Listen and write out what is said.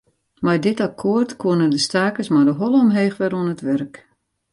Mei dit akkoart koenen de stakers mei de holle omheech wer oan it wurk.